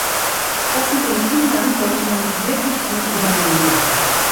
Das mit den Kindern sollte man sich wirklich gut überlegen.